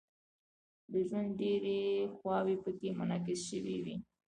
د ژوند ډیرې خواوې پکې منعکس شوې وي.